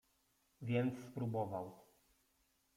Więc spróbował.